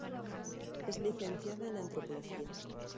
Es licenciada en Antropología.